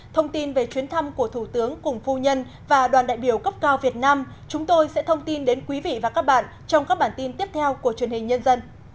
thông tin về chuyến thăm của thủ tướng cùng phu nhân và đoàn đại biểu cấp cao việt nam chúng tôi sẽ thông tin đến quý vị và các bạn trong các bản tin tiếp theo của truyền hình nhân dân